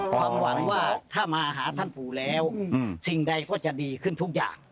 ความหวังว่าถ้ามาหาท่านปู่แล้วสิ่งใดก็จะดีขึ้นทุกอย่าง